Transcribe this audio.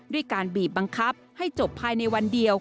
ด้วยการบีบบังคับให้จบภายในวันเดียว